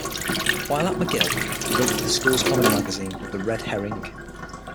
While at McGill, he wrote for the school's comedy magazine "The Red Herring".